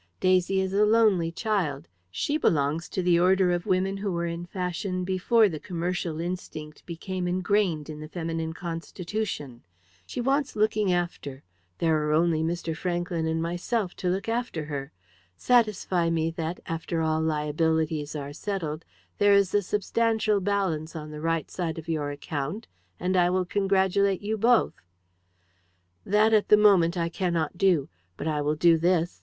Daisy is a lonely child. She belongs to the order of women who were in fashion before the commercial instinct became ingrained in the feminine constitution. She wants looking after. There are only Mr. Franklyn and myself to look after her. Satisfy me that, after all liabilities are settled, there is a substantial balance on the right side of your account, and I will congratulate you both." "That, at the moment, I cannot do. But I will do this.